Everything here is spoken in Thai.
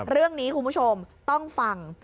เรื่องนี้คุณผู้ชมต้องฟัง